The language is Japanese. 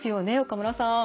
岡村さん。